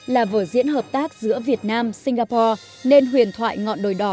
là vở diễn hợp tác giữa việt nam singapore nên huyền thoại ngọn đồi đỏ